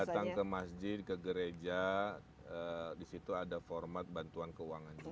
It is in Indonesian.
datang ke masjid ke gereja di situ ada format bantuan keuangan juga